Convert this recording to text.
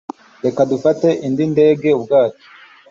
reka dufate indi ndege-ubwato